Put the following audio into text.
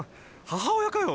母親かよ